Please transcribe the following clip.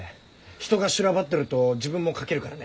人が修羅場ってると自分も書けるからね。